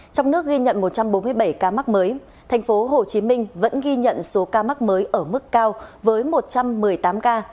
trong nước ghi nhận một trăm bốn mươi bảy ca mắc mới thành phố hồ chí minh vẫn ghi nhận số ca mắc mới ở mức cao với một trăm một mươi tám ca